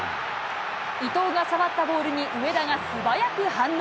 伊東が触ったボールに、上田が素早く反応。